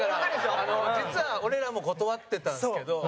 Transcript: ：実は、俺らも断ってたんですけど。